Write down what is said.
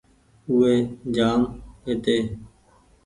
او وي جآم هيتي